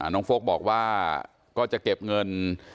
น้องฟล็อกบอกว่าก็จะเก็บเงิน